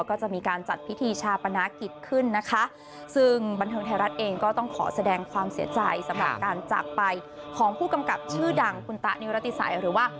ก็จะมีการจัดพิธีชาติปณะกิจขึ้นนะคะ